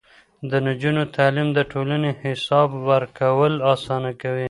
د نجونو تعليم د ټولنې حساب ورکول اسانه کوي.